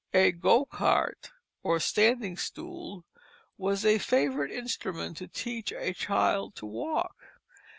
A go cart or standing stool was a favorite instrument to teach a child to walk.